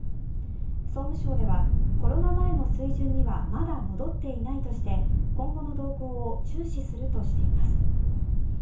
総務省ではコロナ前の水準にはまだ戻っていないとして今後の動向を注視するとしています。